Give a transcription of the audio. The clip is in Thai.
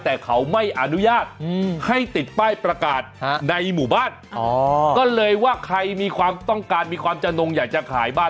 แต่เขาไม่อนุญาตให้ติดป้ายประกาศในหมู่บ้านก็เลยว่าใครมีความต้องการมีความจำนงอยากจะขายบ้าน